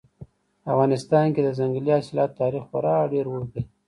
په افغانستان کې د ځنګلي حاصلاتو تاریخ خورا ډېر اوږد دی.